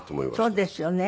そうですよね。